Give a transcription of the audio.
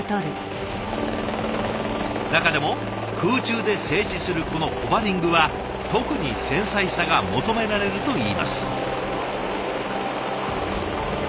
中でも空中で静止するこのホバリングは特に繊細さが求められるといいます。